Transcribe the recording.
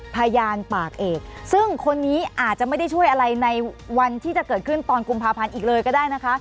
พยานปากเอกซึ่งคนนี้อาจจะไม่ได้ช่วยอะไรในวันที่จะเกิดขึ้นตอนกุมภาพันธ์อีกเลยก็ได้นะคะ